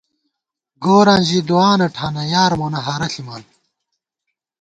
گوراں ژِی دُعانہ ٹھانہ، یار مونہ ہارہ ݪِمان